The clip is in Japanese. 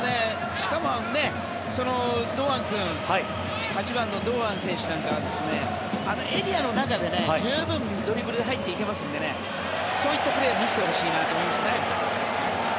しかも８番の堂安選手なんかはエリアの中へ、十分ドリブルで入っていけますのでそういったプレーを見せてほしいなと思いますね。